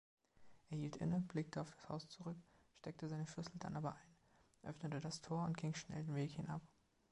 Er hielt inne, blickte auf das Haus zurück, stecke seine Schlüssel dann aber ein, öffnete das Tor und ging schnell den Weg hinab.